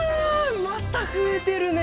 また増えてるね！